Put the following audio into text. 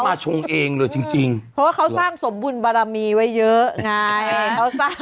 ชงเองเลยจริงจริงเพราะว่าเขาสร้างสมบุญบารมีไว้เยอะไงเขาสร้าง